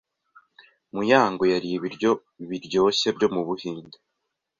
Muyango yariye ibiryo biryoshye byo mu Buhinde.